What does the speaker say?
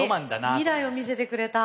未来を見せてくれた。